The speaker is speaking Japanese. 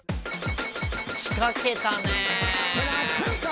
仕掛けたね！